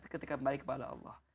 ketika kembali kepada allah